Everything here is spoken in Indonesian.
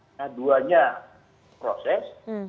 nah duanya proses